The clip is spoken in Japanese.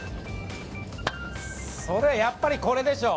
やっぱりこれでしょ！